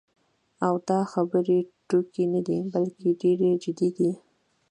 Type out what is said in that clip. او دا خبرې ټوکې نه دي، بلکې ډېرې جدي دي.